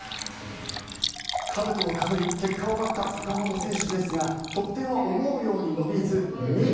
かぶとをかぶり結果を待った坂本選手ですが得点は思うように伸びず２位。